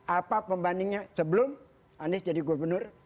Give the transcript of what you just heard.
apa pembandingnya sebelum anies jadi gubernur